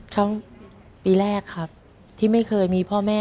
ครั้งปีแรกครับที่ไม่เคยมีพ่อแม่